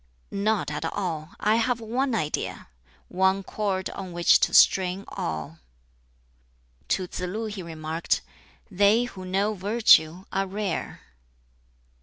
"Not at all. I have one idea one cord on which to string all." To Tsz lu he remarked, "They who know Virtue are rare."